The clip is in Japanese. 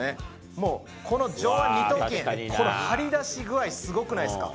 もうこの上腕二頭筋、この張り出し具合、すごくないですか？